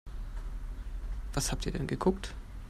Was habt ihr denn geguckt?